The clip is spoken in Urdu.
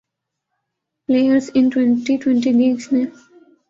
پلئیرز ان ٹی ٹؤنٹی لیگز نے